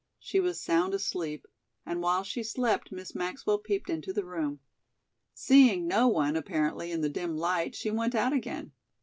She was sound asleep, and while she slept Miss Maxwell peeped into the room. Seeing no one, apparently, in the dim light, she went out again.